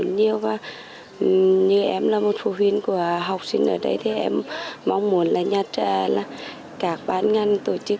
như em là một phụ huynh của học sinh ở đây thì em mong muốn là các bán ngăn tổ chức